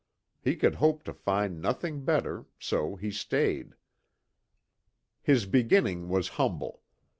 He could hope to find nothing better, so he stayed. His beginning was humble.